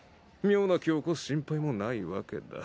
妙な気を起こす心配もないわけだ。